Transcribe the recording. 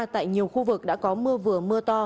tại nhiều khu vực đã có mưa vừa mưa to